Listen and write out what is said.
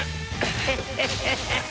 ハハハハ！